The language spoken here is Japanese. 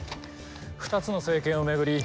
２つの政権を巡り